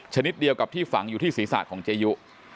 ชนิดเดียวกับที่ฝังอยู่ที่ศีรษะของเจยุ